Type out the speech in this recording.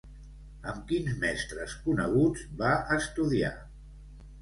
Amb quins mestres coneguts va estudiar?